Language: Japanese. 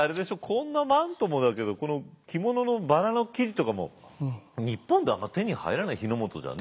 こんなマントもだけどこの着物のバラの生地とかも日本ではあんま手に入らない日の本じゃね。